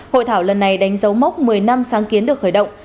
hội thảo lần này đánh dấu mốc một mươi năm sáng kiến được khởi động